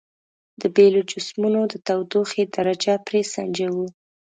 د بیلو جسمونو د تودوخې درجه پرې سنجوو.